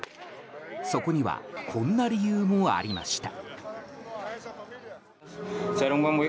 そこにはこんな理由もありました。